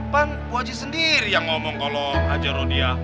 pak wajid sendiri yang ngomong kalau haji rodia